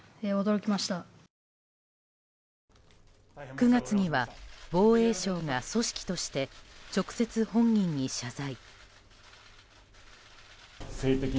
９月には防衛省が組織として直接本人に謝罪。